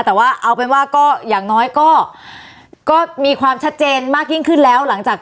แต่ว่าเอาเป็นว่าก็อย่างน้อยก็มีความชัดเจนมากยิ่งขึ้นแล้วหลังจาก